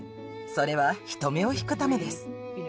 それは人目を引くためです。